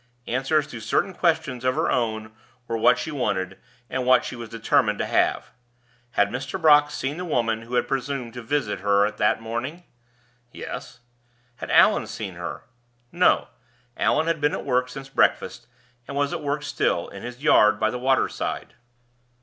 Answers to certain questions of her own were what she wanted, and what she was determined to have: Had Mr. Brock seen the woman who had presumed to visit her that morning? Yes. Had Allan seen her? No; Allan had been at work since breakfast, and was at work still, in his yard by the water side.